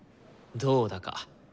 どうだか。